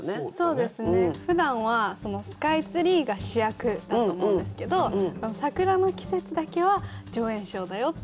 そうですね。ふだんはスカイツリーが主役だと思うんですけど桜の季節だけは助演賞だよっていう。